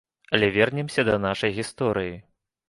Але вернемся да нашай гісторыі.